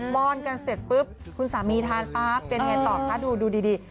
ป้อนกันเสร็จปุ๊บคุณสามีทานเป็นอย่างไรต่อดูดี